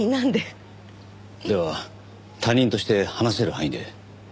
では他人として話せる範囲で。